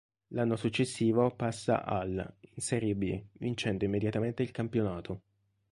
L'anno successivo passa al in Serie B, vincendo immediatamente il campionato.